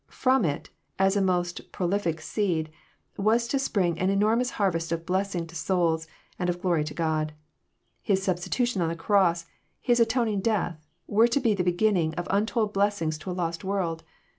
From it, as a most prolific seed, was to spring an enor mous harvest of blessing to souls, and of glory to God. His substi tution on the cross. His atoning death, were to be the beginning of untold blessings to a lost' world.